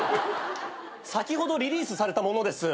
先ほどリリースされた者です。